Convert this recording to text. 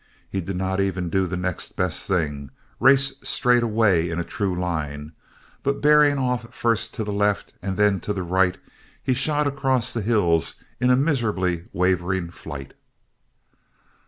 He did not even do the next best thing race straight away in a true line, but bearing off first to the left and then to the right, he shot across the hills in a miserably wavering flight.